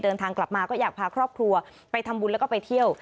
เดินทางกลับมาก็อยากพาครอบครัวไปทำบุญแล้วก็ไปเที่ยว